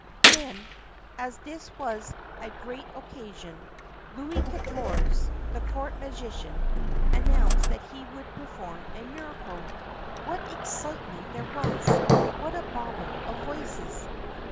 Then, as this was a great occasion, Louis Katorze, the court magician, announced that he would perform a miracle. What excitement there was! What a babble of voices!